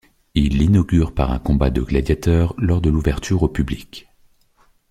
Il l'inaugure par un combat de gladiateurs lors de l'ouverture au public.